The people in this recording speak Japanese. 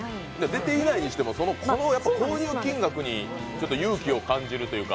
出てないにしても、こういう金額に勇気を感じるというか。